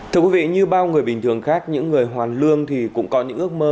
thưa quý vị như bao người bình thường khác những người hoàn lương thì cũng có những ước mơ